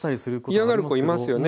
嫌がる子いますよね。